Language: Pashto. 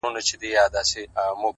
مثبت چلند د چاپېریال رنګ بدلوي,